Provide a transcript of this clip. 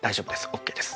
ＯＫです。